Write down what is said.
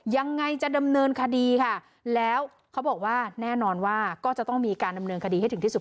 ยังไงจะดำเนินคดีค่ะแล้วเขาบอกว่าแน่นอนว่าก็จะต้องมีการดำเนินคดีให้ถึงที่สุด